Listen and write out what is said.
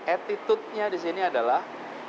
attitudenya di sini adalah